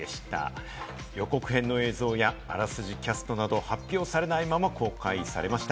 予告編の映像やあらすじ、キャストなど、発表されないまま公開されました。